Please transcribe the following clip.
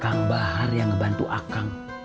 kang bahar yang ngebantu akang